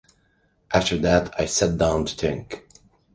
After that I sat down to think.